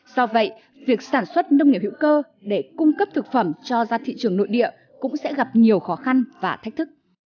do vậy việc sản xuất nông nghiệp hữu cơ để cung cấp thực phẩm cho ra thị trường nội địa cũng sẽ gặp nhiều khó khăn và thách thức